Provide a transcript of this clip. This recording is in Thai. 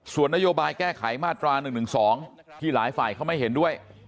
ส่วนนโยบายแก้ไขมาตรา๑๑๒ที่หลายฝ่ายเขาไม่เห็นด้วย